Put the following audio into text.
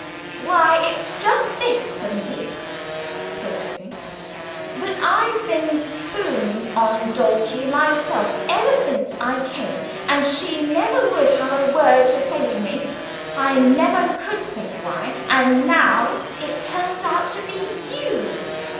"Why, it's just this to me," said Tipping, "that I've been spoons on Dulcie myself ever since I came, and she never would have a word to say to me. I never could think why, and now it turns out to be you!